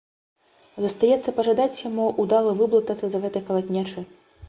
Застаецца пажадаць яму ўдала выблытацца з гэтай калатнечы.